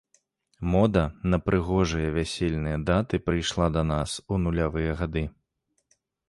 Мода на прыгожыя вясельныя даты прыйшла да нас у нулявыя гады.